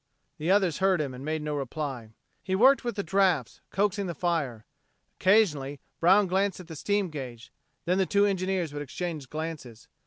The others heard him and made no reply. He worked with the drafts, coaxing the fire. Occasionally, Brown glanced at the steam gauge; then the two engineers would exchange glances.